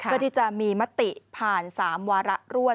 วันนี้จะมีมติผ่าน๓วาระรวด